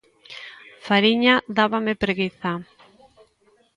'Fariña' dábame preguiza.